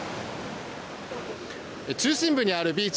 中心部にあるビーチ